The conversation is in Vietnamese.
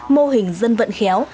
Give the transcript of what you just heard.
mô hình dân vận khéo